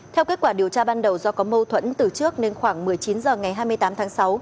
theo kết quả điều tra ban đầu do có mâu thuẫn từ trước nên khoảng một mươi chín h ngày hai mươi tám tháng sáu